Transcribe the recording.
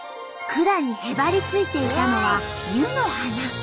管にへばりついていたのは湯の花。